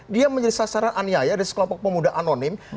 dia menjadi sasaran aniaya dari sekelompok pemuda anonim